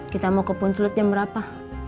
kita mau ke punculutnya berapa